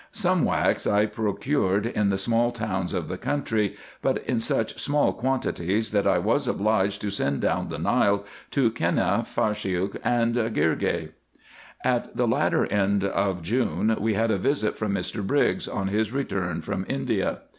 Some wax I procured in the small towns of the country, but in such small quantities, that I was obliged to send down the Nile to Kenneh, Farshiout, and Girgeh. At the latter end of June we had a visit from Mr. Briggs, on his return from India.